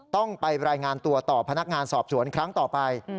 ต้องไปรายงานตัวต่อพนักงานสอบสวนครั้งต่อไป